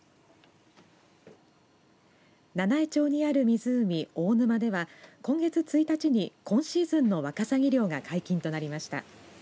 七飯町にある湖、大沼では今月１日に、今シーズンのわかさぎ漁が解禁となりました。